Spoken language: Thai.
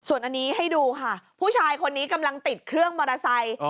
ส่วนอันนี้ให้ดูค่ะผู้ชายคนนี้กำลังติดเครื่องมอเตอร์ไซค์